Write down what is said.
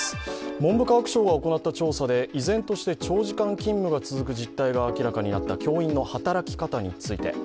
文部科学省が行った調査で依然として長時間勤務が続く実態が明らかになった教員の働き方について。